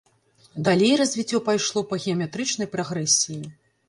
Далей развіццё пайшло па геаметрычнай прагрэсіі.